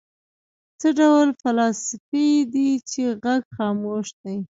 څه ډول فلاسفې دي چې غږ خاموش دی.